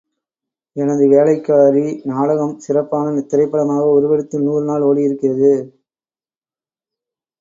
எனது வேலைக்காரி நாடகம் சிறப்பான திரைப்படமாக உருவெடுத்து நூறு நாள் ஒடியிருக்கிறது.